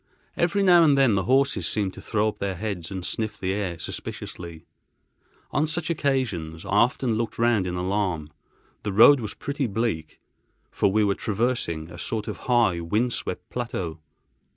Every now and then the horses seemed to throw up their heads and sniffed the air suspiciously. On such occasions I often looked round in alarm. The road was pretty bleak, for we were traversing a sort of high, wind swept plateau.